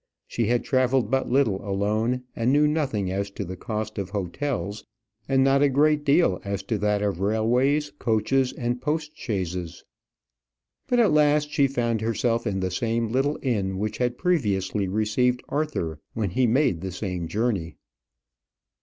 She had travelled but little alone, and knew nothing as to the cost of hotels, and not a great deal as to that of railways, coaches, and post chaises. But at last she found herself in the same little inn which had previously received Arthur when he made the same journey.